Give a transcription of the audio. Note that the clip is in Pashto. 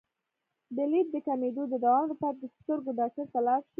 د لید د کمیدو د دوام لپاره د سترګو ډاکټر ته لاړ شئ